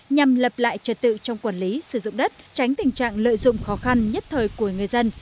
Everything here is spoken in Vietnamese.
nhằm lập lại trật tự trong quản lý sử dụng đất tránh tình trạng lợi dụng khó khăn nhất thời của người dân